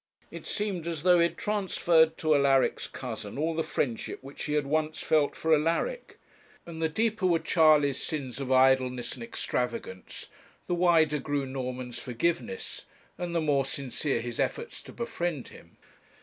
It seemed as though he had transferred to Alaric's cousin all the friendship which he had once felt for Alaric; and the deeper were Charley's sins of idleness and extravagance, the wider grew Norman's forgiveness, and the more sincere his efforts to befriend him.